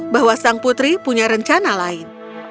bahwa sang putri punya rencana lain